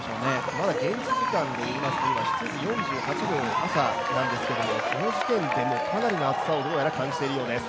まだ現地時間の７時４８分、朝なんですけれどもその時点でもうかなりの暑さをどうやら感じているようです。